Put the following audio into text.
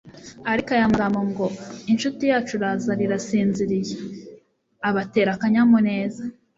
Ariko aya magambo ngo : «incuti yacu Lazaro irasinziriye,» abatera akanyamuneza.